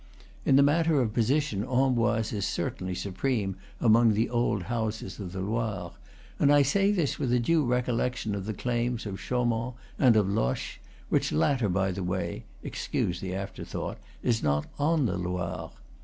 In the matter of position Amboise is certainly supreme among the old houses of the Loire; and I say this with a due recollection of the claims of Chau mont and of Loches, which latter, by the way (ex cuse the afterthought), is not on the Loire.